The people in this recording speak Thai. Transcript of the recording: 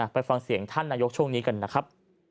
ไปฟังเสียงท่านนายกช่วงนี้กันนะครับ